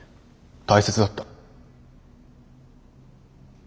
大切だった。